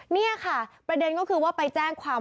นี่ค่ะประเด็นก็คือว่าไปแจ้งความ